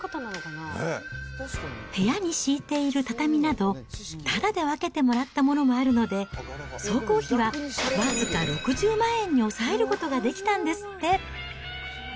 部屋に敷いている畳など、ただで分けてもらったものもあるので、総工費は僅か６０万円に抑えることができたんですって。